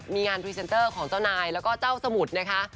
มีงานพรีเซนเตอร์ของเจ้านายแล้วก็เจ้าสมุทรนะคะ